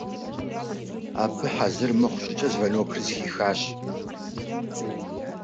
Она услыхала звонок прежде, чем была готова.